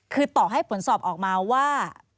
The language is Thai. คือต่อให้ผลสอบออกมาว่า